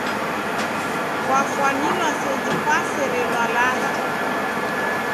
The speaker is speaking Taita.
Kwafwanilwa seji kwaserelwa lagha.